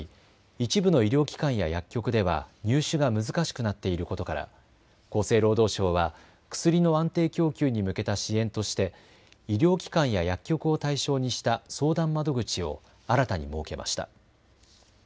一部の医療機関や薬局では入手が難しくなっていることから厚生労働省は薬の安定供給に向けた支援として医療機関や薬局を対象にした相談窓口を新たに設けました。